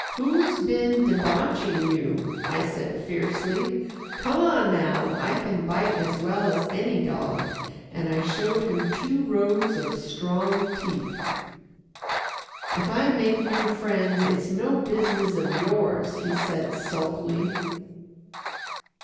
"Who's been debauching you?" I said fiercely. "Come on now I can bite as well as any dog," and I showed him two rows of strong teeth. "If I make new friends, it's no business of yours," he said sulkily.